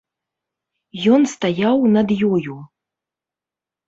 Ён стаяў над ёю.